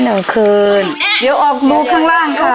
ฝั่งที่ได้ออกมาพันธุ์โค้งมากเลย